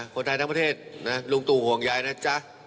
คนไทยทั้งประเทศนะลุงตู่ห่วงยายนะจ๊ะ